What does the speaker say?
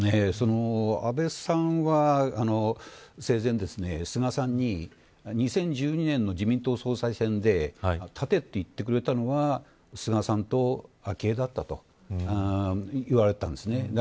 安倍さんは生前、菅さんに２０１２年の自民党総裁選で立てと言ってくれたのは菅さんと昭恵だったと言われてたんですね。